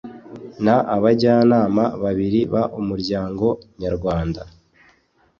n abajyanama babiri b umuryango nyarwanda